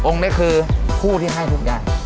องค์นี้คือคู่ที่ให้ทุกอย่าง